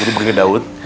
jadi begini daud